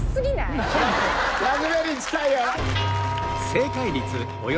ラズベリー近いよ！